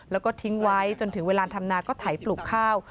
แล้วก็ทิ้งไว้จนถึงเวลาทำนาก็ไถปลูกข้าว